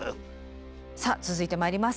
さあ続いてまいります。